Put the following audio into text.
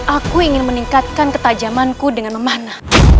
aku ingin meningkatkan ketajamanku dengan memanah